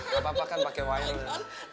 bapak bapak kan pakai wainer